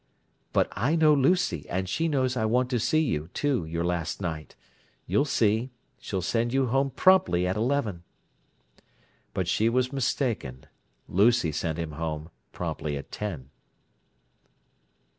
"But I know Lucy, and she knows I want to see you, too, your last night. You'll see: she'll send you home promptly at eleven!" But she was mistaken: Lucy sent him home promptly at ten.